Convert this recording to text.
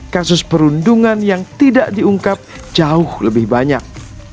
kasus perundungan yang tidak diungkap jauh lebih banyak